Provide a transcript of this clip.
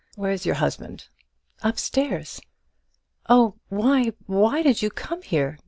Where's your husband?" "Up stairs. Oh, why, why did you come here?"